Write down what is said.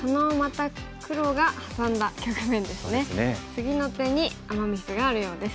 次の手にアマ・ミスがあるようです。